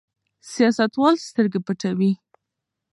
سیاستوال سترګې پټوي.